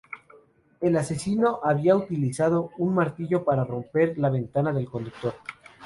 El asesino había utilizado un martillo para romper la ventana del conductor.